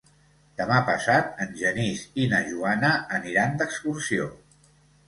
Demà passat en Genís i na Joana aniran d'excursió.